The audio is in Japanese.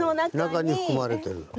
中に含まれてる。